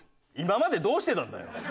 今までどうしてたんだよ！